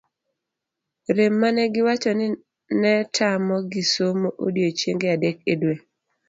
rem mane giwacho ni netamo gi somo odiochieng'e adek e dwe